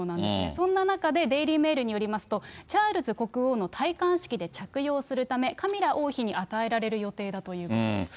そんな中でデイリー・メールによりますと、チャールズ国王の戴冠式で着用するため、カミラ王妃に与えられる予定だということです。